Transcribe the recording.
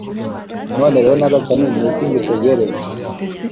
None rero Nyagasani ni iki ngitegereje?